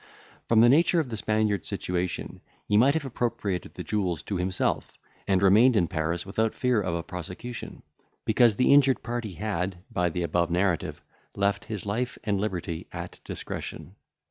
From the nature of the Spaniard's situation, he might have appropriated the jewels to himself, and remained in Paris without fear of a prosecution, because the injured party had, by the above narrative, left his life and liberty at discretion.